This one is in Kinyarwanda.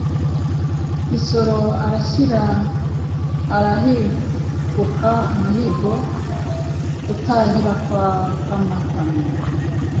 Nsoro arashyira arahiguka, umuhigo utahira kwa Kamatamu,